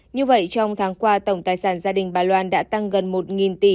như vậy trong tháng qua tổng tài sản gia đình bà loan đã tăng gần một tỷ đồng